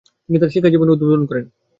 তিনি তাঁর শিক্ষা জীবনের উদ্বোধন করেন।